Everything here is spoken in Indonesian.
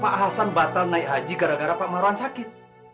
pak hasan batal naik haji gara gara pak marwan sakit